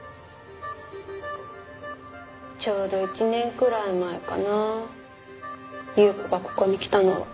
ちょうど１年くらい前かな優子がここに来たのは。